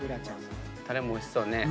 たれもおいしそうね。